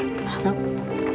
silahkan tanda tangan di sini